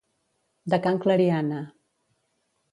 De can Clariana.